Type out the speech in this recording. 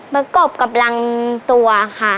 ประกบกับรังตัวค่ะ